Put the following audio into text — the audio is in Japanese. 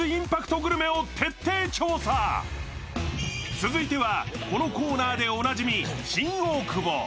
続いては、このコーナーでおなじみ新大久保。